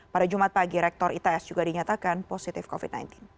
pada jumat pagi rektor its juga dinyatakan positif covid sembilan belas